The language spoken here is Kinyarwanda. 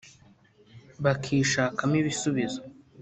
bakishamo ibisubizo